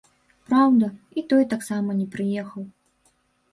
Праўда, і той таксама не прыехаў.